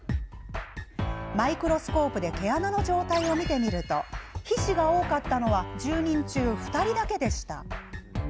マイクロスコープで毛穴の状態を見てみると皮脂が多かったのは１０人中２人だけでした。